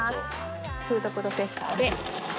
フードプロセッサーで。